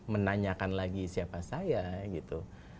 menanyakan lagi siapa saya gitu